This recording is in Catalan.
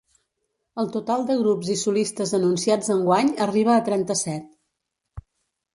El total de grups i solistes anunciats enguany arriba a trenta-set.